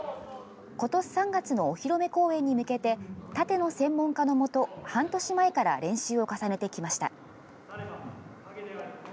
ことし３月のお披露目公演に向けて、タテの専門家のもと、半年前から練習を重ねてきました。